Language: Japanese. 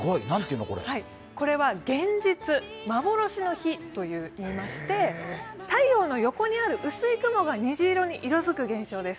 これは幻日といいまして、太陽の横にある薄い雲が虹色に色づく現象です。